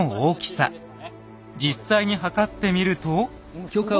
実際に測ってみると。